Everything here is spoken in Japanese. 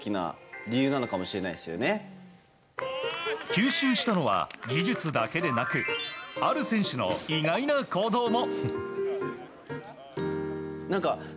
吸収したのは技術だけでなくある選手の意外な行動も。